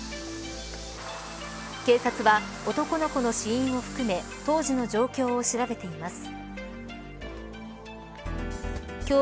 警察は、男の子の死因を含め当時の状況を調べています。